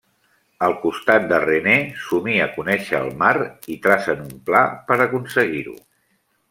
Al costat de René, somia conèixer el mar i tracen un pla per aconseguir-ho.